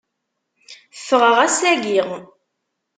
Fɣeɣ ass-agi.